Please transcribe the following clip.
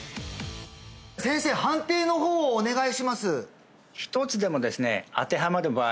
先生判定の方をお願いします